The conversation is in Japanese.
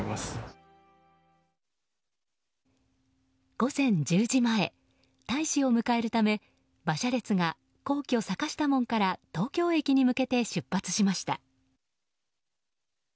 午前１０時前大使を迎えるため馬車列が皇居・坂下門から東京駅に向けて出発しました。